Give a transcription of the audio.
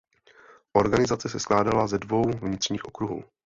Organizace se skládala ze dvou vnitřních okruhů.